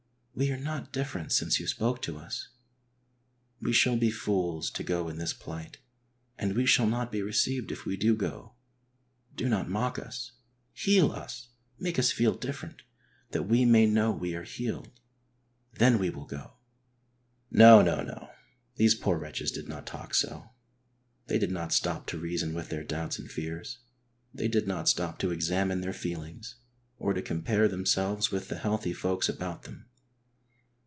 We are not different since you spoke to us. We shall be fools to go in this plight, and we shall not be received if \ve do go. Do not mock us. Heal us, make us feel different that we may know we are healed, then we will go " No, no, no, these poor wretches did not talk so; they did not stop to reason with their doubts and fears ; they did not stop to examine their feelings, or to compare themselves with the healthy folks about them.